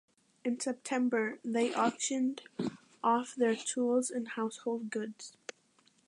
In September they auctioned off their tools and household goods.